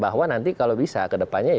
bahwa nanti kalau bisa kedepannya ya